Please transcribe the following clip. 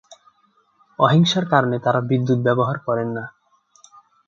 অহিংসার কারণে তারা বিদ্যুৎ ব্যবহার করেন না।